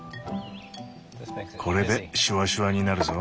これでシュワシュワになるぞ。